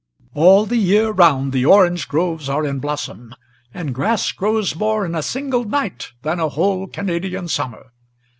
All the year round the orange groves are in blossom; and grass grows More in a single night than a whole Canadian summer.